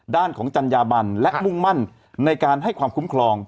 ด้านของจัญญาบันและมุ่งมั่นในการให้ความคุ้มครอง